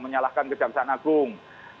menyalahkan kejaksaan agung